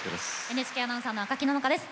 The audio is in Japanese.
ＮＨＫアナウンサーの赤木野々花です。